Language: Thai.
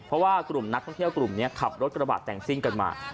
เพราะว่ากลุ่มนักท่องเที่ยวกลุ่มนี้ขับรถกระบะแต่งซิ่งกันมา